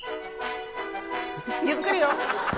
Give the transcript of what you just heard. ゆっくりよ